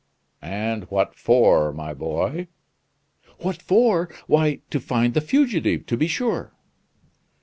"And what for, my boy?" "What for? Why, to find my fugitive, to be sure!"